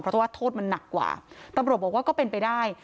เพราะว่าโทษมันหนักกว่าตำรวจบอกว่าก็เป็นไปได้